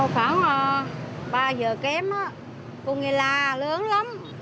khoảng ba giờ kém cô nghe la lớn lắm